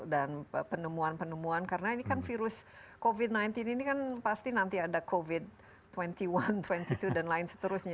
dan penemuan penemuan karena ini kan virus covid sembilan belas ini kan pasti nanti ada covid dua puluh satu dua puluh dua dan lain seterusnya